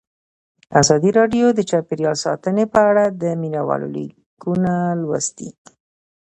ازادي راډیو د چاپیریال ساتنه په اړه د مینه والو لیکونه لوستي.